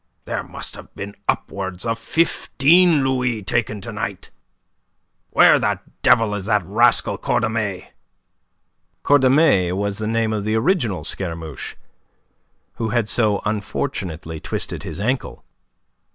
There must have been upwards of fifteen louis taken to night. Where the devil is that rascal Cordemais?" Cordemais was the name of the original Scaramouche, who had so unfortunately twisted his ankle.